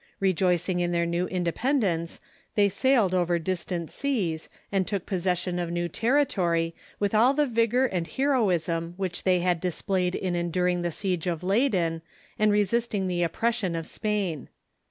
Rejoicing in their new independence, the}^ sailed over distant seas, and took possession of new territory with all the vigor and heroism which they had displayed in enduring the siege of Leyden and resisting the oppression of Spain.